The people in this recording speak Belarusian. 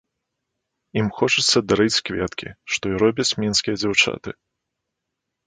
Ім хочацца дарыць кветкі, што і робяць мінскія дзяўчаты.